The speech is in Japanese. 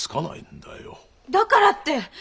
だからって！